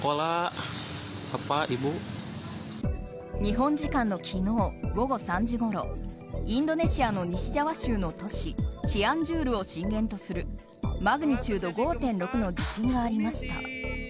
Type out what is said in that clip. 日本時間の昨日午後３時ごろインドネシアの西ジャワ州の都市チアンジュールを震源とするマグネチュード５．６の地震がありました。